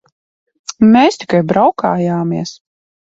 Mēs tikai braukājāmies.